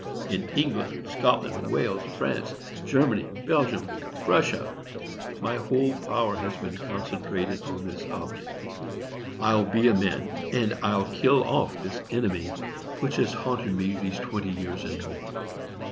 In England, Scotland, Wales, France, Germany, Belgium and Prussia, my whole power has been concentrated on this object. "I'll be a man, and I'll kill off this enemy which has haunted me these twenty years and more."